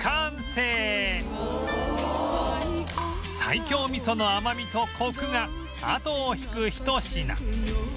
西京味噌の甘みとコクがあとを引くひと品